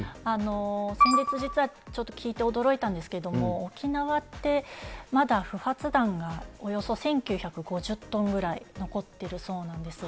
先日、実は聞いて驚いたんですけれども、沖縄ってまだ不発弾がおよそ１９５０トンぐらい残ってるそうなんです。